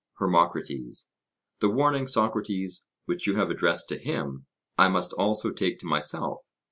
HERMOCRATES: The warning, Socrates, which you have addressed to him, I must also take to myself.